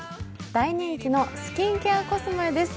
大人気のスキンケアコスメです。